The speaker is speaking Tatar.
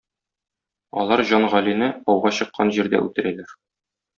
Алар Җан Галине ауга чыккан җирдә үтерәләр.